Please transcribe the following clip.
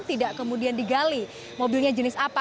tidak kemudian digali mobilnya jenis apa